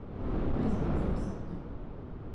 Aizvāc, tev saka!